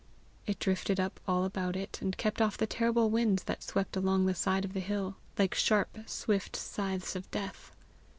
It drifted up all about it, and kept off the terrible winds that swept along the side of the hill, like sharp swift scythes of death.